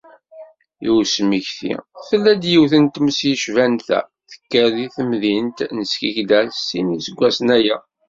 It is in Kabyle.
I usmekti, tella-d yiwet n tmes yecban ta, tekker deg temdint n Skikda sin n yiseggasen aya.